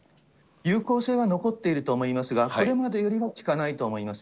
有効性は残っていると思いますが、これまでよりは効かないと思います。